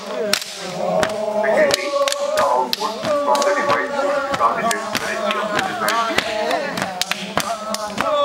Secondly, the outputs from the device must be targeted correctly on the desired tissue.